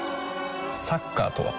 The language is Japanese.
サッカーとは？